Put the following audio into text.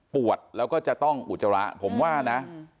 ปวดเราก็จะต้องอุจจาระผมว่านะ